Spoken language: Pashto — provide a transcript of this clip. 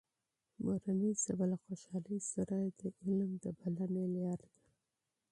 مورنۍ ژبه له خوشحالۍ سره د علم د بلنې لاره ده.